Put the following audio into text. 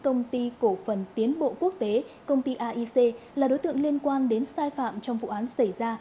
công ty cổ phần tiến bộ quốc tế công ty aic là đối tượng liên quan đến sai phạm trong vụ án xảy ra